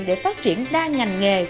để phát triển đa ngành nghề